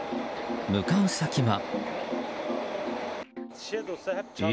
向かう先は。